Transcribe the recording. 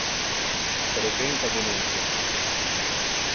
Presenta denuncia!